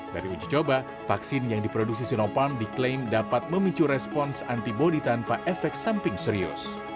dari uji coba vaksin yang diproduksi sinoparm diklaim dapat memicu respons antibody tanpa efek samping serius